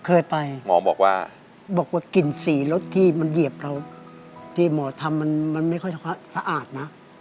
เคยไปบอกว่ากลิ่นสีแล้วที่มันเหยียบเราที่หมอทำมันไม่ค่อยสะอาดนะ